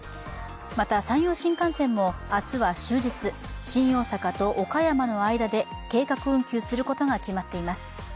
また、山陽新幹線も明日は終日新大阪と岡山の間で計画運休することが決まっています。